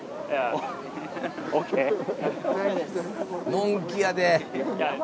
「のんきやで」